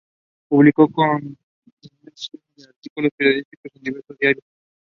He remained healthy up to his death.